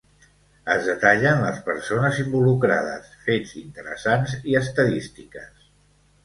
Es detallen les persones involucrades, fets interessants i estadístiques.